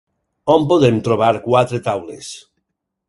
On podem trobar quatre taules?